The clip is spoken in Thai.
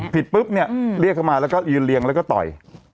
ปุ๊บเนี่ยเรียกเข้ามาแล้วก็ยืนเรียงแล้วก็ต่อย